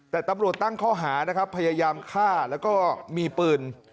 แต่ตำรวจตั้งข้อหานะครับพยายามฆ่าแล้วก็มีปืน